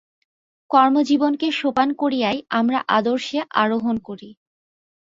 কর্মজীবনকে সোপান করিয়াই আমরা আদর্শে আরোহণ করি।